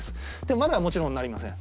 まだもちろんなりません。